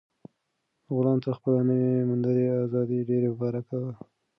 غلام ته خپله نوي موندلې ازادي ډېره مبارک وه.